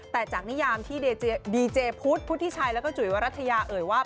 แต่จากนิยามที่ดีเจพุทธพุทธิชัยแล้วก็จุ๋ยวรัฐยาเอ่ยว่า